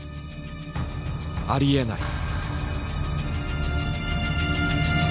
ありえない」。